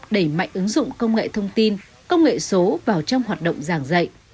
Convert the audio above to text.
đẩy mạnh ứng dụng công nghệ thông tin công nghệ số vào trong hoạt động giảng dạy